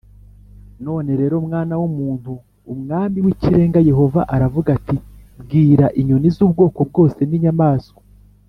None rero mwana w umuntu umwami w ikirenga yehova aravuga ati bwira inyoni z ubwoko bwose ni inyamaswa